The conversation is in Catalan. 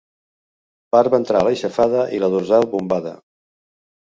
Part ventral aixafada i la dorsal bombada.